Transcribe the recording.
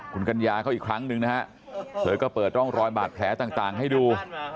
คุณกัญญาเขาอีกครั้งหนึ่งนะฮะเธอก็เปิดร่องรอยบาดแผลต่างให้ดู